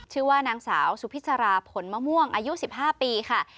ชื่อว่านางสาวสุพิษราผลมะม่วงอายุ๑๕ปีค่ะ